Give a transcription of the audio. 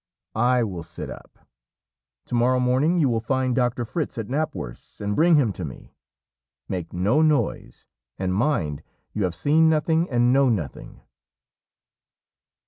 I will sit up. To morrow morning you will find Doctor Fritz at Knapwurst's, and bring him to me. Make no noise, and mind, you have seen nothing and know nothing!'"